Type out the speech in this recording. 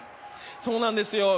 そうなんですよ。